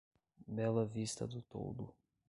Bela Vista do Toldo